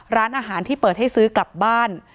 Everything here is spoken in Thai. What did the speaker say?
ร้านอาหารที่เปิดให้ซื้อกลับบ้าน